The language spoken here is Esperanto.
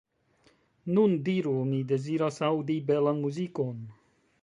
Nun diru: mi deziras aŭdi belan muzikon.